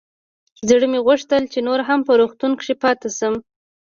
زړه مې غوښتل چې نور هم په روغتون کښې پاته سم.